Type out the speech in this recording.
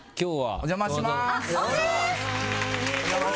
お邪魔します。